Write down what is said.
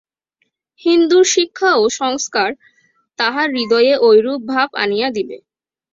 হিন্দুর শিক্ষা ও সংস্কার তাহার হৃদয়ে ঐরূপ ভাব আনিয়া দিবে।